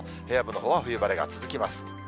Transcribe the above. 平野部のほうは冬晴れが続きます。